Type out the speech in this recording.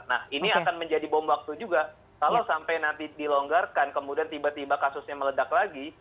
nah ini akan menjadi bom waktu juga kalau sampai nanti dilonggarkan kemudian tiba tiba kasusnya meledak lagi